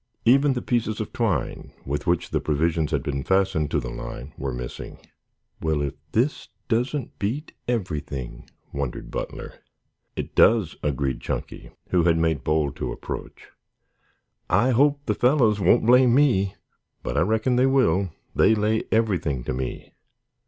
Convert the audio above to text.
Even the pieces of twine with which the provisions had been fastened to the line were missing. "Well, if this doesn't beat everything!" wondered Butler. "It does," agreed Chunky, who had made bold to approach. "I hope the fellows won't blame me, but I reckon they will. They lay everything to me."